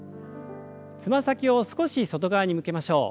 つま先を少し外側に向けましょう。